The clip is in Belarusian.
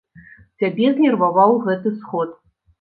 Цябе знерваваў гэты сход.